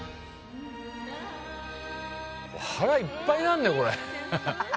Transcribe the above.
腹いっぱいになるねこれ。